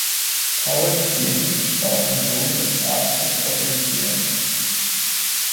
Paul Diem war ein Sohn des Arztes Otto Diem.